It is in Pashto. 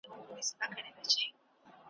هره پاڼه يې غيرت دی `